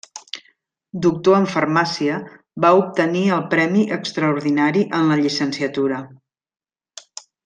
Doctor en Farmàcia, va obtenir el premi extraordinari en la llicenciatura.